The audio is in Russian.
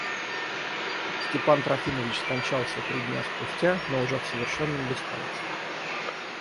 Степан Трофимович скончался три дня спустя, но уже в совершенном беспамятстве.